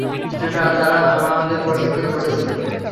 যেটা তারা আমাদের প্রশিক্ষণে বলেছিল?